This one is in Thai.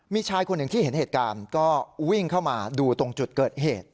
มีชายคนหนึ่งที่เห็นเหตุการณ์ก็วิ่งเข้ามาดูตรงจุดเกิดเหตุ